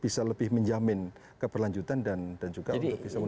bisa lebih menjamin keberlanjutan dan juga bisa menekan